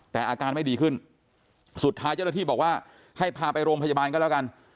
แต่อาการไม่ดีขึ้นสุดท้ายเจ้าหน้าที่บอกว่าให้พาไปโรงพยาบาลก็แล้วกัน